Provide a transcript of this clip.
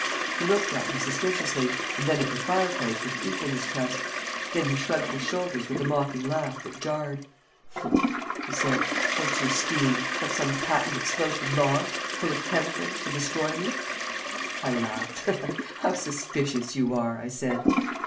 He looked at me suspiciously, and then at the fireplace with equal mistrust; then he shrugged his shoulders with a mocking laugh that jarred. "Humph!" he said. "What's your scheme? Got some patent explosive logs, full of chemicals, to destroy me?" I laughed. "How suspicious you are!" I said.